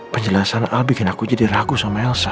penjelasan al bikin aku jadi ragu sama elsa